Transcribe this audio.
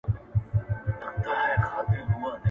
• څه لاس تر منځ، څه غر تر منځ.